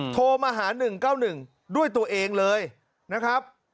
โทรมาหา๑๙๑ด้วยตัวเองเลยนะครับ